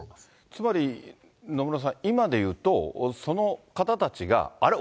つまり野村さん、今でいうと、その方たちがあれ？